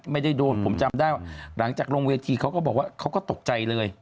ไม่ได้โดนผมจำได้ว่าหลังจากลงเวทีเขาก็บอกว่าเขาก็ตกใจเลย